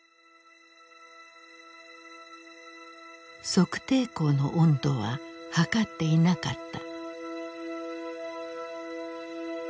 測定口の温度は測っていなかった。